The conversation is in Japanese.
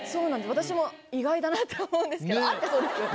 私も意外だなって思うんですけど会ってそうですよね。